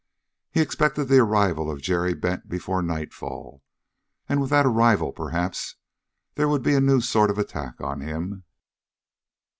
He expected the arrival of Jerry Bent before nightfall, and with that arrival, perhaps, there would be a new sort of attack on him.